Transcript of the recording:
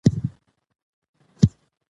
که مورنۍ ژبه وي، نو زده کړې تسهیل کیږي.